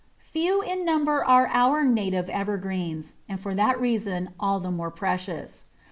Few in number are our native evergreens, and for that reason all the more precious.